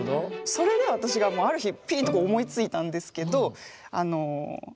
それで私がある日ピンと思いついたんですけど。